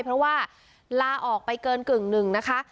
เพราะว่าลาออกไปเกินกึ่งหนึ่งนะคะ